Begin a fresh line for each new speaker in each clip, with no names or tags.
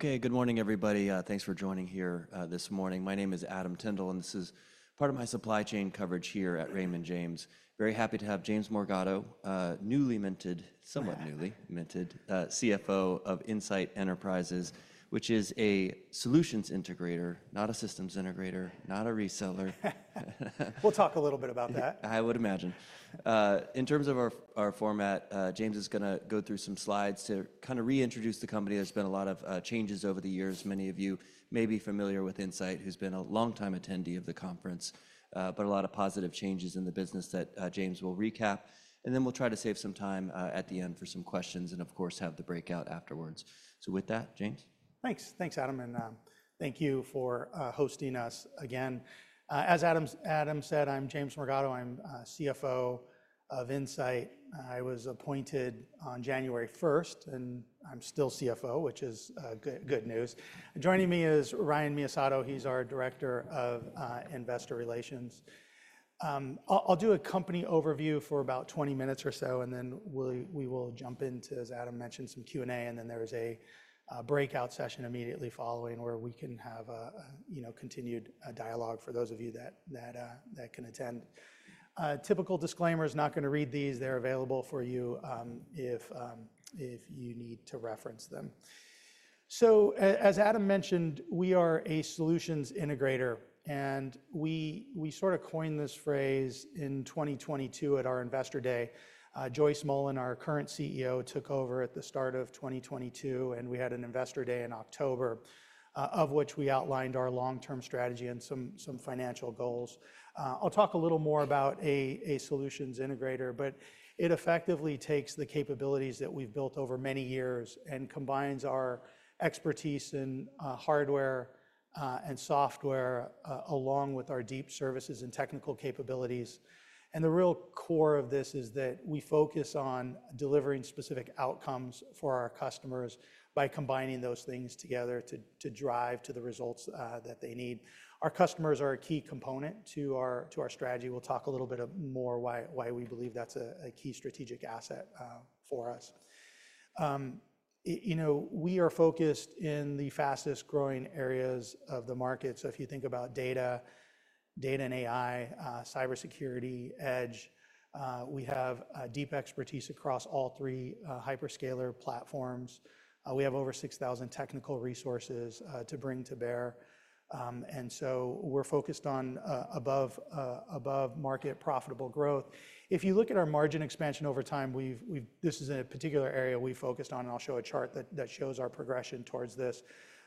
Okay, good morning, everybody. Thanks for joining here this morning. My name is Adam Tindle, and this is part of my supply chain coverage here at Raymond James. Very happy to have James Morgado, newly minted, somewhat newly minted, CFO of Insight Enterprises, which is a solutions integrator, not a systems integrator, not a reseller.
We'll talk a little bit about that.
I would imagine. In terms of our format, James is going to go through some slides to kind of reintroduce the company. There's been a lot of changes over the years. Many of you may be familiar with Insight, who's been a longtime attendee of the conference, but a lot of positive changes in the business that James will recap, and then we'll try to save some time at the end for some questions and, of course, have the breakout afterwards, so with that, James.
Thanks. Thanks, Adam. And thank you for hosting us again. As Adam said, I'm James Morgado. I'm CFO of Insight. I was appointed on January 1st, and I'm still CFO, which is good news. Joining me is Ryan Miyasato. He's our Director of Investor Relations. I'll do a company overview for about 20 minutes or so, and then we will jump in, as Adam mentioned, some Q&A, and then there is a breakout session immediately following where we can have a continued dialogue for those of you that can attend. Typical disclaimers, not going to read these. They're available for you if you need to reference them. So as Adam mentioned, we are a solutions integrator, and we sort of coined this phrase in 2022 at our Investor Day. Joyce Mullen, our current CEO, took over at the start of 2022, and we had an Investor Day in October of which we outlined our long-term strategy and some financial goals. I'll talk a little more about a solutions integrator, but it effectively takes the capabilities that we've built over many years and combines our expertise in hardware and software along with our deep services and technical capabilities. And the real core of this is that we focus on delivering specific outcomes for our customers by combining those things together to drive to the results that they need. Our customers are a key component to our strategy. We'll talk a little bit more why we believe that's a key strategic asset for us. We are focused in the fastest growing areas of the market. So if you think about data, data and AI, cybersecurity, edge, we have deep expertise across all three hyperscaler platforms. We have over 6,000 technical resources to bring to bear. And so we're focused on above-market profitable growth. If you look at our margin expansion over time, this is a particular area we focused on, and I'll show a chart that shows our progression towards this.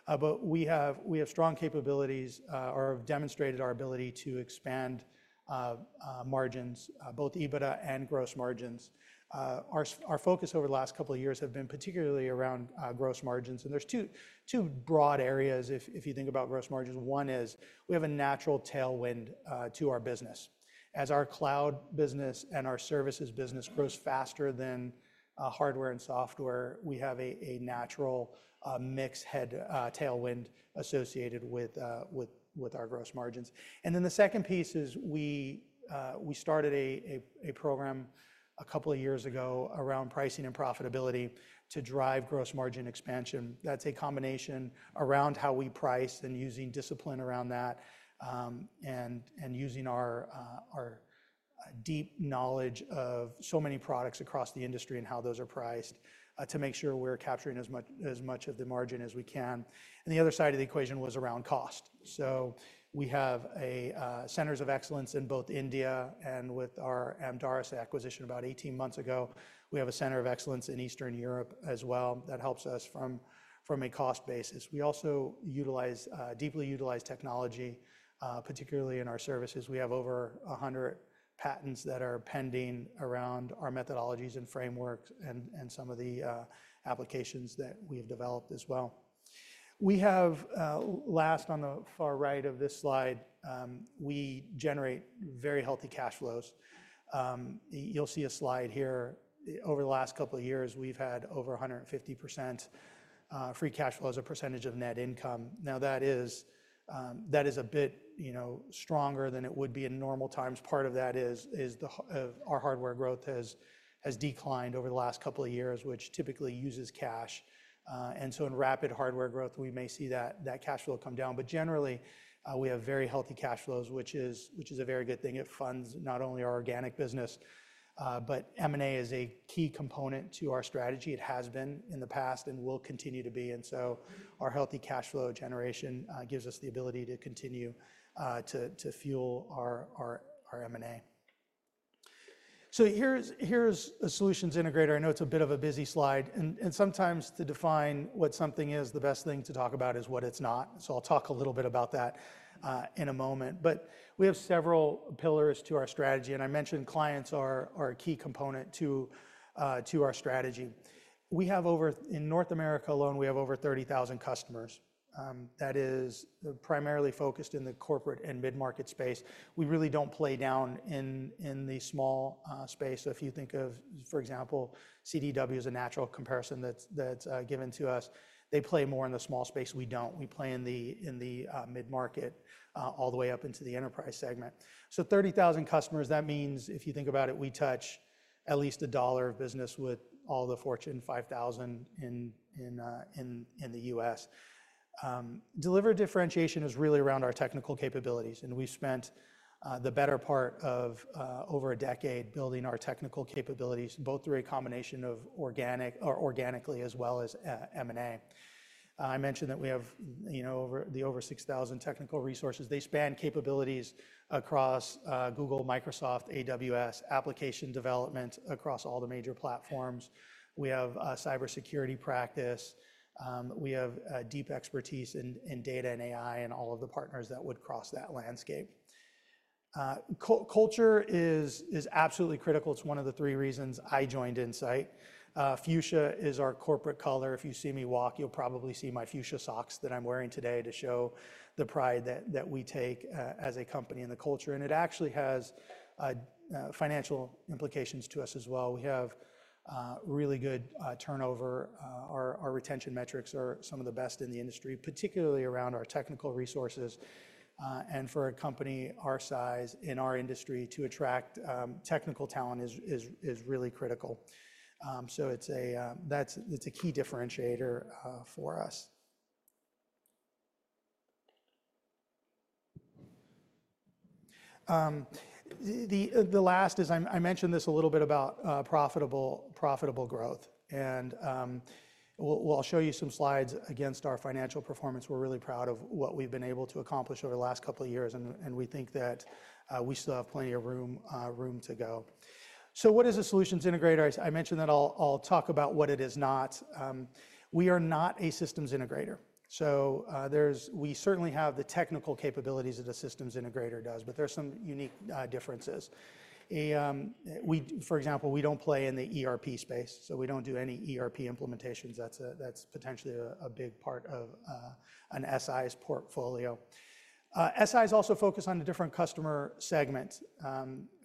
But we have strong capabilities or have demonstrated our ability to expand margins, both EBITDA and gross margins. Our focus over the last couple of years has been particularly around gross margins. And there's two broad areas if you think about gross margins. One is we have a natural tailwind to our business. As our cloud business and our services business grows faster than hardware and software, we have a natural mixed tailwind associated with our gross margins. The second piece is we started a program a couple of years ago around pricing and profitability to drive gross margin expansion. That's a combination around how we price and using discipline around that and using our deep knowledge of so many products across the industry and how those are priced to make sure we're capturing as much of the margin as we can. The other side of the equation was around cost. We have centers of excellence in both India and with our Amdaris acquisition about 18 months ago. We have a center of excellence in Eastern Europe as well that helps us from a cost basis. We also deeply utilize technology, particularly in our services. We have over 100 patents that are pending around our methodologies and frameworks and some of the applications that we have developed as well. We have last on the far right of this slide, we generate very healthy cash flows. You'll see a slide here. Over the last couple of years, we've had over 150% free cash flow as a percentage of net income. Now, that is a bit stronger than it would be in normal times. Part of that is our hardware growth has declined over the last couple of years, which typically uses cash. And so in rapid hardware growth, we may see that cash flow come down. But generally, we have very healthy cash flows, which is a very good thing. It funds not only our organic business, but M&A is a key component to our strategy. It has been in the past and will continue to be. And so our healthy cash flow generation gives us the ability to continue to fuel our M&A. So here's a solutions integrator. I know it's a bit of a busy slide, and sometimes to define what something is, the best thing to talk about is what it's not. So I'll talk a little bit about that in a moment, but we have several pillars to our strategy, and I mentioned clients are a key component to our strategy. In North America alone, we have over 30,000 customers. That is primarily focused in the corporate and mid-market space. We really don't play down in the small space, so if you think of, for example, CDW is a natural comparison that's given to us. They play more in the small space. We don't. We play in the mid-market all the way up into the enterprise segment, so 30,000 customers, that means if you think about it, we touch at least $1 of business with all the Fortune 5000 in the U.S. Delivered differentiation is really around our technical capabilities. We've spent the better part of over a decade building our technical capabilities, both through a combination of organically as well as M&A. I mentioned that we have over 6,000 technical resources. They span capabilities across Google, Microsoft, AWS, application development across all the major platforms. We have cybersecurity practice. We have deep expertise in data and AI and all of the partners that would cross that landscape. Culture is absolutely critical. It's one of the three reasons I joined Insight. Fuchsia is our corporate color. If you see me walk, you'll probably see my fuchsia socks that I'm wearing today to show the pride that we take as a company and the culture. It actually has financial implications to us as well. We have really good turnover. Our retention metrics are some of the best in the industry, particularly around our technical resources. And for a company our size in our industry to attract technical talent is really critical. So that's a key differentiator for us. The last is I mentioned this a little bit about profitable growth. And I'll show you some slides against our financial performance. We're really proud of what we've been able to accomplish over the last couple of years. And we think that we still have plenty of room to go. So what is a solutions integrator? I mentioned that I'll talk about what it is not. We are not a systems integrator. So we certainly have the technical capabilities that a systems integrator does, but there are some unique differences. For example, we don't play in the ERP space. So we don't do any ERP implementations. That's potentially a big part of an SI's portfolio. SI's also focused on a different customer segment.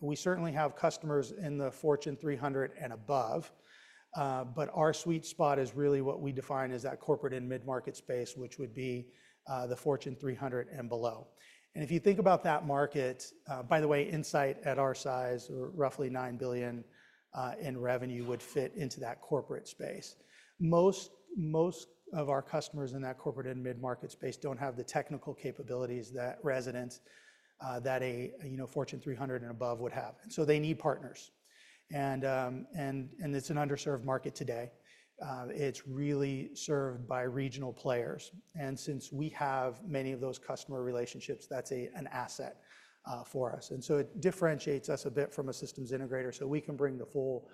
We certainly have customers in the Fortune 300 and above, but our sweet spot is really what we define as that corporate and mid-market space, which would be the Fortune 300 and below, and if you think about that market, by the way, Insight at our size, roughly nine billion in revenue, would fit into that corporate space. Most of our customers in that corporate and mid-market space don't have the technical capabilities that a Fortune 300 and above would have, and so they need partners, and it's an underserved market today. It's really served by regional players, and since we have many of those customer relationships, that's an asset for us. It differentiates us a bit from a Systems Integrator so we can bring the full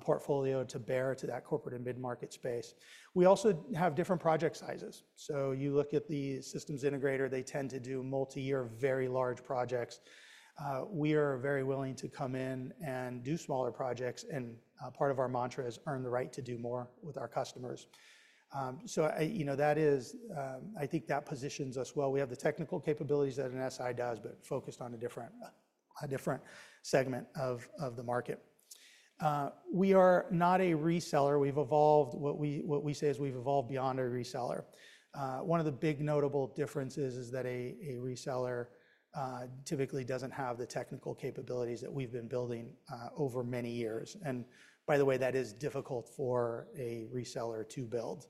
portfolio to bear to that corporate and mid-market space. We also have different project sizes. You look at the Systems Integrator; they tend to do multi-year, very large projects. We are very willing to come in and do smaller projects. Part of our mantra is earn the right to do more with our customers. I think that positions us well. We have the technical capabilities that an SI does, but focused on a different segment of the market. We are not a reseller. We've evolved. What we say is we've evolved beyond a reseller. One of the big notable differences is that a reseller typically doesn't have the technical capabilities that we've been building over many years. By the way, that is difficult for a reseller to build.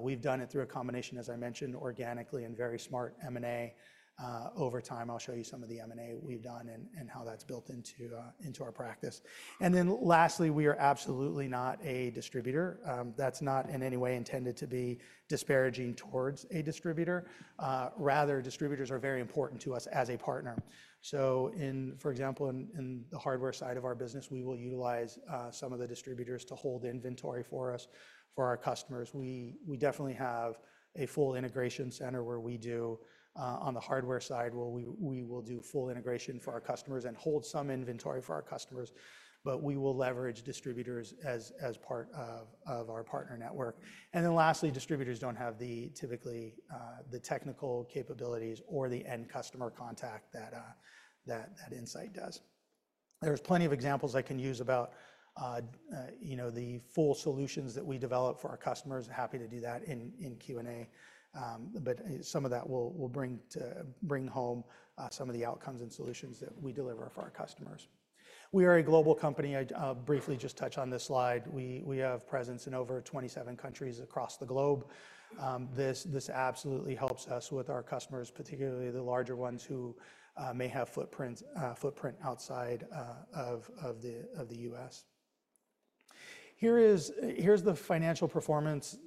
We've done it through a combination, as I mentioned, organically and very smart M&A over time. I'll show you some of the M&A we've done and how that's built into our practice. And then lastly, we are absolutely not a distributor. That's not in any way intended to be disparaging towards a distributor. Rather, distributors are very important to us as a partner. So for example, in the hardware side of our business, we will utilize some of the distributors to hold inventory for us for our customers. We definitely have a full integration center where we do on the hardware side, we will do full integration for our customers and hold some inventory for our customers. But we will leverage distributors as part of our partner network. And then lastly, distributors don't have typically the technical capabilities or the end customer contact that Insight does. There's plenty of examples I can use about the full solutions that we develop for our customers. Happy to do that in Q&A. But some of that will bring home some of the outcomes and solutions that we deliver for our customers. We are a global company. I briefly just touched on this slide. We have presence in over 27 countries across the globe. This absolutely helps us with our customers, particularly the larger ones who may have footprint outside of the U.S. Here's the financial performance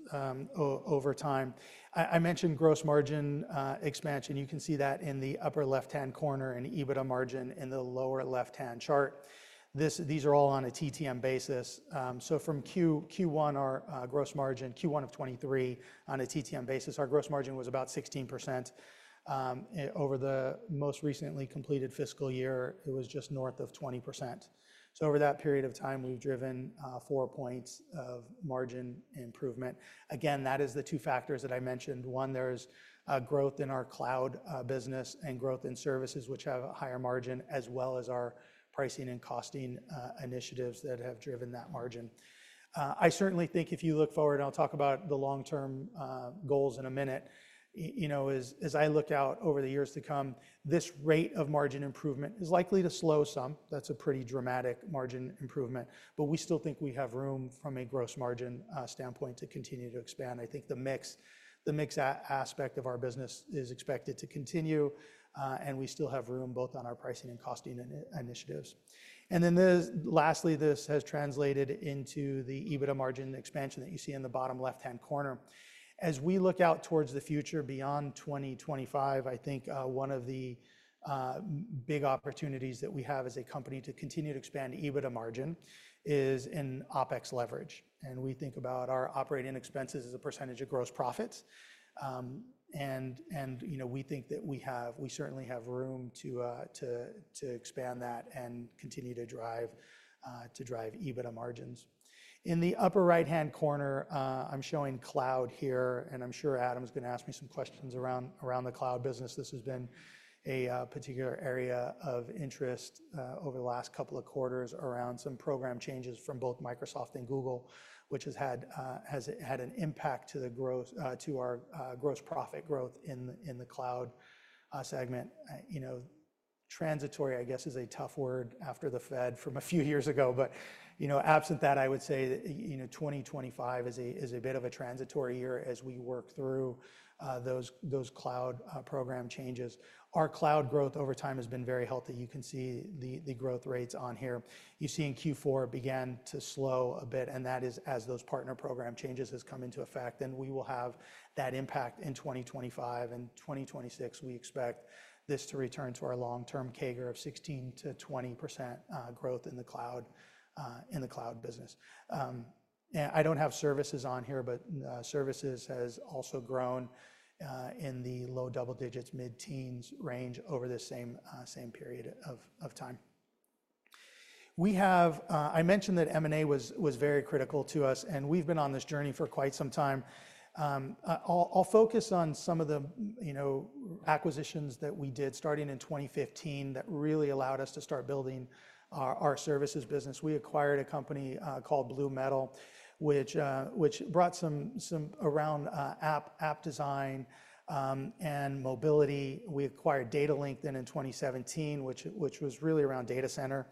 over time. I mentioned gross margin expansion. You can see that in the upper left-hand corner and EBITDA margin in the lower left-hand chart. These are all on a TTM basis. So from Q1, our gross margin, Q1 of 2023, on a TTM basis, our gross margin was about 16%. Over the most recently completed fiscal year, it was just north of 20%. So over that period of time, we've driven four points of margin improvement. Again, that is the two factors that I mentioned. One, there's growth in our cloud business and growth in services, which have a higher margin, as well as our pricing and costing initiatives that have driven that margin. I certainly think if you look forward, and I'll talk about the long-term goals in a minute, as I look out over the years to come, this rate of margin improvement is likely to slow some. That's a pretty dramatic margin improvement. But we still think we have room from a gross margin standpoint to continue to expand. I think the mixed aspect of our business is expected to continue. And we still have room both on our pricing and costing initiatives. And then lastly, this has translated into the EBITDA margin expansion that you see in the bottom left-hand corner. As we look out towards the future beyond 2025, I think one of the big opportunities that we have as a company to continue to expand EBITDA margin is in OpEx leverage. And we think about our operating expenses as a percentage of gross profits. And we think that we certainly have room to expand that and continue to drive EBITDA margins. In the upper right-hand corner, I'm showing cloud here. And I'm sure Adam's going to ask me some questions around the cloud business. This has been a particular area of interest over the last couple of quarters around some program changes from both Microsoft and Google, which has had an impact to our gross profit growth in the cloud segment. Transitory, I guess, is a tough word after the Fed from a few years ago, but absent that, I would say 2025 is a bit of a transitory year as we work through those cloud program changes. Our cloud growth over time has been very healthy. You can see the growth rates on here. You see in Q4 it began to slow a bit, and that is as those partner program changes have come into effect, and we will have that impact in 2025. In 2026, we expect this to return to our long-term CAGR of 16%-20% growth in the cloud business. I don't have services on here, but services has also grown in the low double digits, mid-teens range over the same period of time. I mentioned that M&A was very critical to us, and we've been on this journey for quite some time. I'll focus on some of the acquisitions that we did starting in 2015 that really allowed us to start building our services business. We acquired a company called BlueMetal, which brought some around app design and mobility. We acquired Datalink then in 2017, which was really around data center,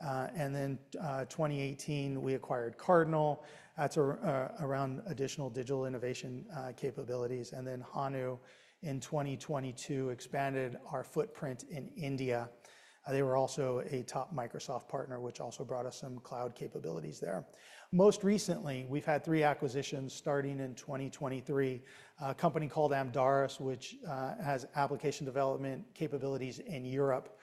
and then in 2018, we acquired Cardinal. That's around additional digital innovation capabilities, and then Hanu in 2022 expanded our footprint in India. They were also a top Microsoft partner, which also brought us some cloud capabilities there. Most recently, we've had three acquisitions starting in 2023. A company called Amdaris, which has application development capabilities in Europe,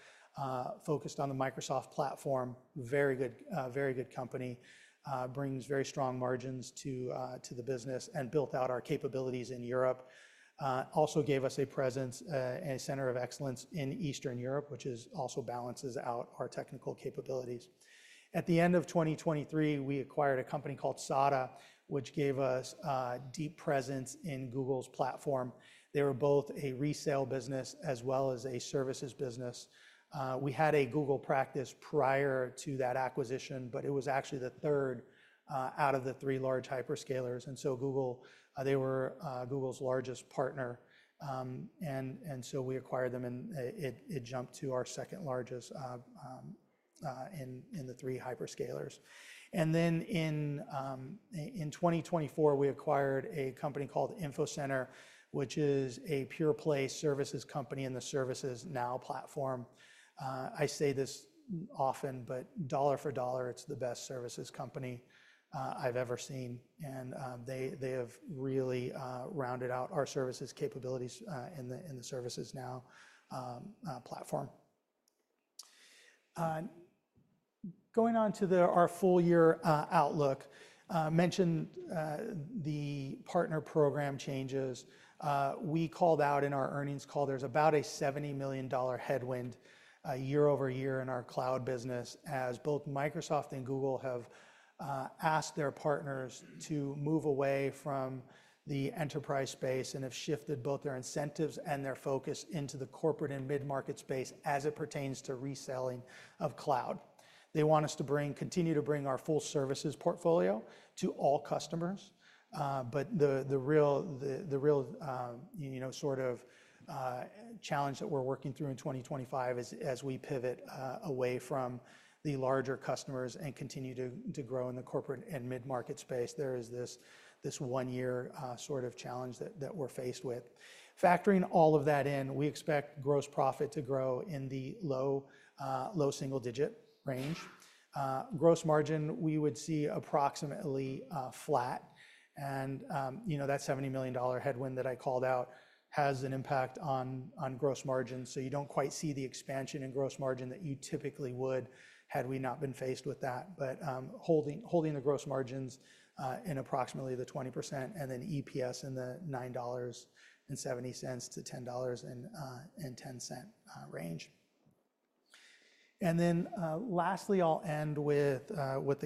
focused on the Microsoft platform. Very good company. Brings very strong margins to the business and built out our capabilities in Europe. Also gave us a presence and a center of excellence in Eastern Europe, which also balances out our technical capabilities. At the end of 2023, we acquired a company called SADA, which gave us a deep presence in Google's platform. They were both a resale business as well as a services business. We had a Google practice prior to that acquisition, but it was actually the third out of the three large hyperscalers. Google, they were Google's largest partner. We acquired them and it jumped to our second largest in the three hyperscalers. In 2024, we acquired a company called InfoCenter, which is a pure play services company in the ServiceNow platform. I say this often, but dollar for dollar, it's the best services company I've ever seen. They have really rounded out our services capabilities in the ServiceNow platform. Going on to our full year outlook, I mentioned the partner program changes. We called out in our earnings call, there's about a $70 million headwind year over year in our cloud business as both Microsoft and Google have asked their partners to move away from the enterprise space and have shifted both their incentives and their focus into the corporate and mid-market space as it pertains to reselling of cloud. They want us to continue to bring our full services portfolio to all customers. But the real sort of challenge that we're working through in 2025 is as we pivot away from the larger customers and continue to grow in the corporate and mid-market space, there is this one-year sort of challenge that we're faced with. Factoring all of that in, we expect gross profit to grow in the low single-digit range. Gross margin, we would see approximately flat. And that $70 million headwind that I called out has an impact on gross margin. So you don't quite see the expansion in gross margin that you typically would had we not been faced with that. But holding the gross margins in approximately the 20% and then EPS in the $9.70-$10.10 range. And then lastly, I'll end with the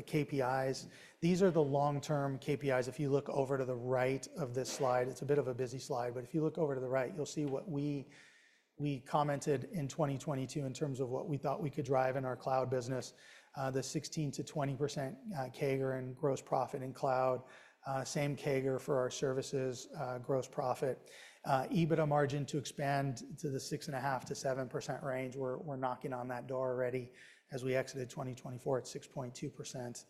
KPIs. These are the long-term KPIs. If you look over to the right of this slide, it's a bit of a busy slide. But if you look over to the right, you'll see what we commented in 2022 in terms of what we thought we could drive in our cloud business, the 16%-20% CAGR in gross profit in cloud, same CAGR for our services gross profit. EBITDA margin to expand to the 6.5%-7% range. We're knocking on that door already as we exited 2024 at 6.2%.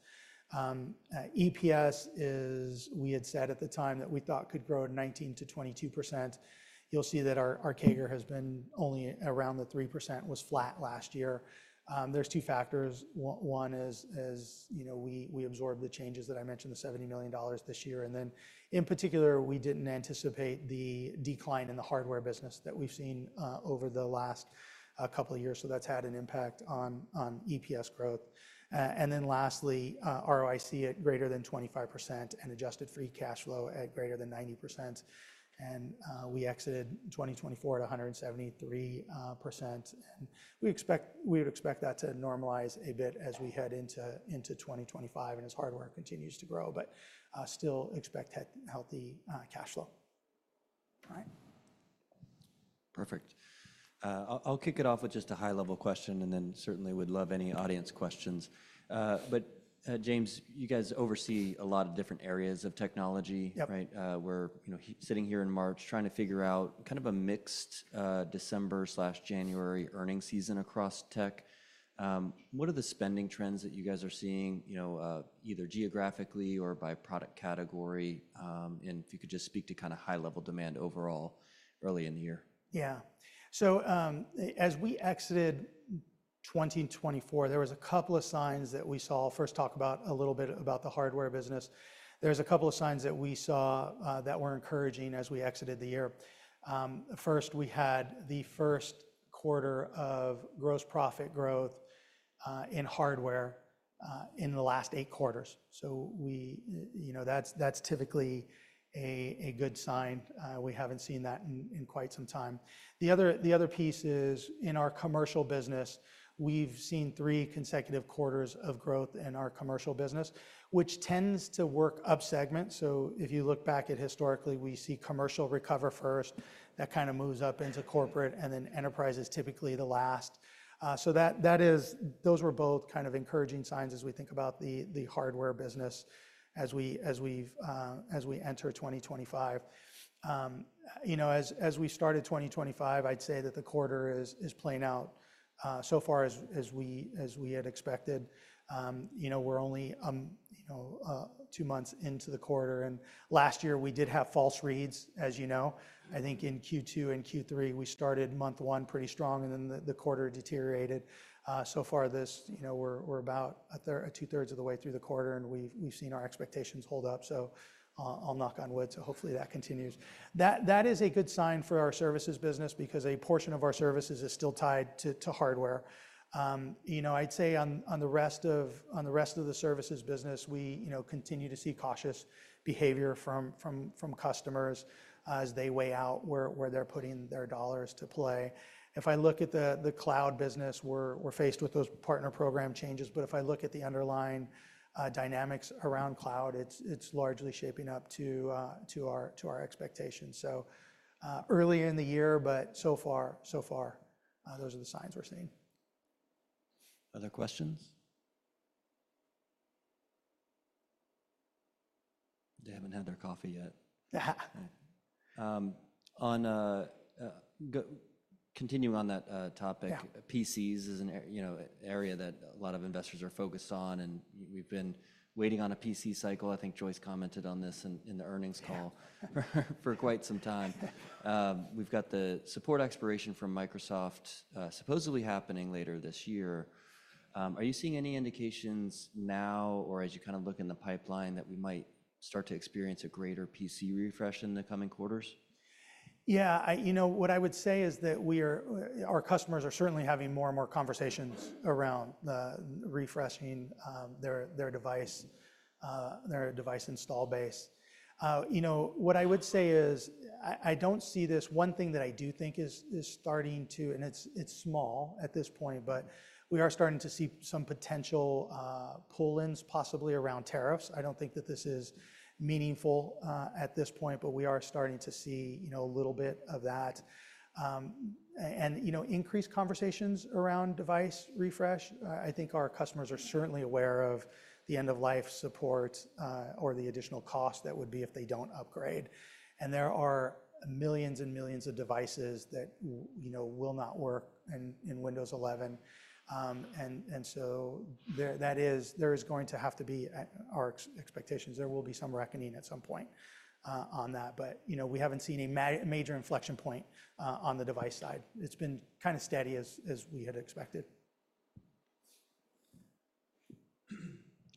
EPS, we had said at the time that we thought could grow 19%-22%. You'll see that our CAGR has been only around the 3% was flat last year. There's two factors. One is we absorbed the changes that I mentioned, the $70 million this year. And then in particular, we didn't anticipate the decline in the hardware business that we've seen over the last couple of years. So that's had an impact on EPS growth. And then lastly, ROIC at greater than 25% and adjusted free cash flow at greater than 90%. And we exited 2024 at 173%. And we would expect that to normalize a bit as we head into 2025 and as hardware continues to grow, but still expect healthy cash flow.
All right. Perfect. I'll kick it off with just a high-level question and then certainly would love any audience questions. But James, you guys oversee a lot of different areas of technology, right? We're sitting here in March trying to figure out kind of a mixed December/January earnings season across tech. What are the spending trends that you guys are seeing, either geographically or by product category? And if you could just speak to kind of high-level demand overall early in the year.
Yeah. So as we exited 2024, there was a couple of signs that we saw. First, talk about a little bit about the hardware business. There's a couple of signs that we saw that were encouraging as we exited the year. First, we had the first quarter of gross profit growth in hardware in the last eight quarters. So that's typically a good sign. We haven't seen that in quite some time. The other piece is in our commercial business, we've seen three consecutive quarters of growth in our commercial business, which tends to work up segment. So if you look back at historically, we see commercial recover first. That kind of moves up into corporate and then enterprise is typically the last. So those were both kind of encouraging signs as we think about the hardware business as we enter 2025. As we started 2025, I'd say that the quarter is playing out so far as we had expected. We're only two months into the quarter. And last year, we did have false reads, as you know. I think in Q2 and Q3, we started month one pretty strong and then the quarter deteriorated. So far this, we're about two-thirds of the way through the quarter and we've seen our expectations hold up. So I'll knock on wood. So hopefully that continues. That is a good sign for our services business because a portion of our services is still tied to hardware. I'd say on the rest of the services business, we continue to see cautious behavior from customers as they weigh out where they're putting their dollars to play. If I look at the cloud business, we're faced with those partner program changes. But if I look at the underlying dynamics around cloud, it's largely shaping up to our expectations. So early in the year, but so far, those are the signs we're seeing. Other questions? They haven't had their coffee yet.
Continuing on that topic, PCs is an area that a lot of investors are focused on. And we've been waiting on a PC cycle. I think Joyce commented on this in the earnings call for quite some time. We've got the support expiration from Microsoft supposedly happening later this year. Are you seeing any indications now or as you kind of look in the pipeline that we might start to experience a greater PC refresh in the coming quarters?
Yeah. You know what I would say is that our customers are certainly having more and more conversations around refreshing their device install base. What I would say is I don't see this. One thing that I do think is starting to, and it's small at this point, but we are starting to see some potential pull-ins possibly around tariffs. I don't think that this is meaningful at this point, but we are starting to see a little bit of that, and increased conversations around device refresh. I think our customers are certainly aware of the end-of-life support or the additional cost that would be if they don't upgrade. And there are millions and millions of devices that will not work in Windows 11. And so there is going to have to be our expectations. There will be some reckoning at some point on that. But we haven't seen a major inflection point on the device side. It's been kind of steady as we had expected.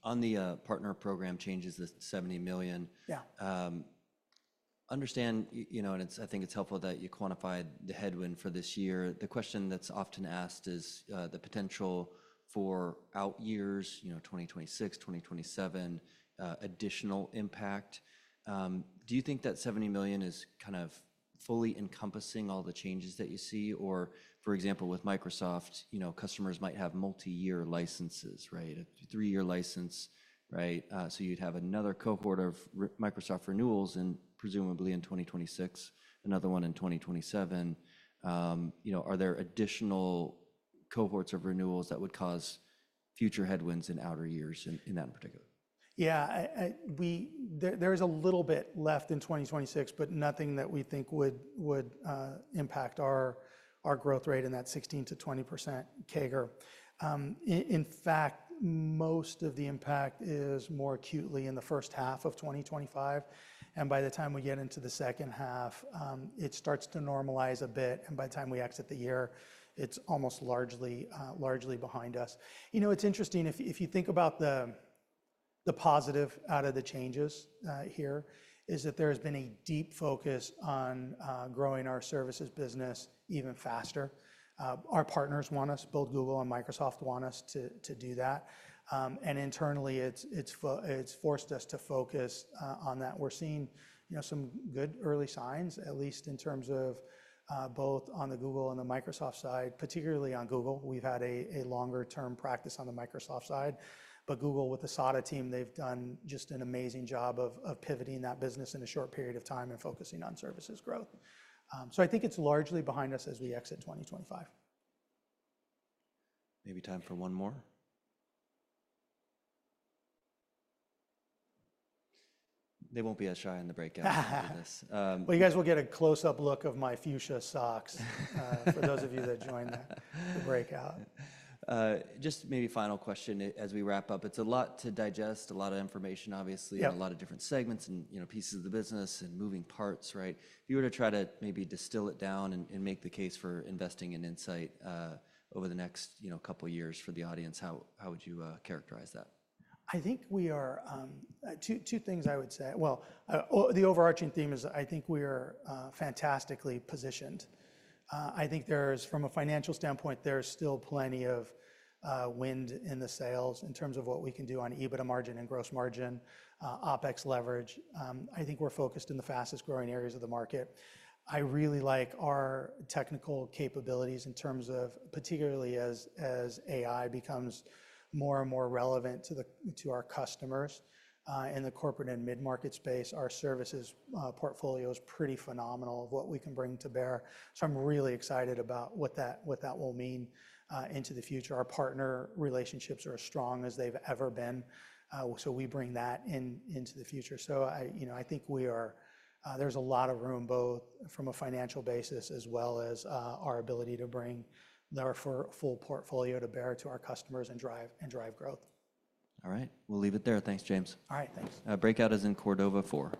On the partner program changes, the $70 million. I understand, and I think it's helpful that you quantified the headwind for this year. The question that's often asked is the potential for out years, 2026, 2027, additional impact. Do you think that $70 million is kind of fully encompassing all the changes that you see? Or for example, with Microsoft, customers might have multi-year licenses, right? A three-year license, right? So you'd have another cohort of Microsoft renewals and presumably in 2026, another one in 2027. Are there additional cohorts of renewals that would cause future headwinds in outer years in that particular?
Yeah. There is a little bit left in 2026, but nothing that we think would impact our growth rate in that 16%-20% CAGR. In fact, most of the impact is more acutely in the first half of 2025. And by the time we get into the second half, it starts to normalize a bit. And by the time we exit the year, it's almost largely behind us. It's interesting. If you think about the positive out of the changes here, is that there has been a deep focus on growing our services business even faster. Our partners want us, both Google and Microsoft want us to do that. And internally, it's forced us to focus on that. We're seeing some good early signs, at least in terms of both on the Google and the Microsoft side, particularly on Google. We've had a longer-term practice on the Microsoft side. But Google with the SADA team, they've done just an amazing job of pivoting that business in a short period of time and focusing on services growth. So I think it's largely behind us as we exit 2025. Maybe time for one more. They won't be as shy in the breakout after this. Well, you guys will get a close-up look of my fuchsia socks for those of you that joined the breakout.
Just maybe final question as we wrap up. It's a lot to digest, a lot of information, obviously, and a lot of different segments and pieces of the business and moving parts, right? If you were to try to maybe distill it down and make the case for investing in Insight over the next couple of years for the audience, how would you characterize that?
I think we are two things I would say. The overarching theme is I think we are fantastically positioned. I think from a financial standpoint, there's still plenty of wind in the sails in terms of what we can do on EBITDA margin and gross margin, OpEx leverage. I think we're focused in the fastest growing areas of the market. I really like our technical capabilities in terms of particularly as AI becomes more and more relevant to our customers in the corporate and mid-market space, our services portfolio is pretty phenomenal of what we can bring to bear. So I'm really excited about what that will mean into the future. Our partner relationships are as strong as they've ever been. So we bring that into the future. So I think there's a lot of room both from a financial basis as well as our ability to bring our full portfolio to bear to our customers and drive growth.
All right. We'll leave it there. Thanks, James.
All right. Thanks.
Breakout is in Cordova 4.